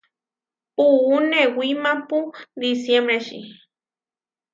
Puú newímapu disiémbreči.